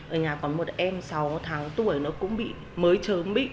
ở nhà có một em sáu tháng tuổi nó cũng bị mới trớn bị